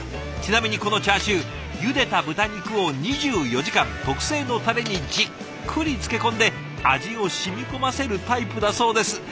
ちなみにこのチャーシューゆでた豚肉を２４時間特製のたれにじっくり漬け込んで味を染み込ませるタイプだそうです。